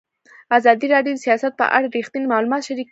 ازادي راډیو د سیاست په اړه رښتیني معلومات شریک کړي.